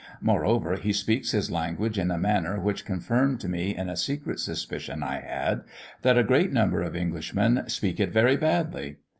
Moreover, he speaks his language in a manner which confirmed me in a secret suspicion I had, that a great number of Englishmen speak it very badly.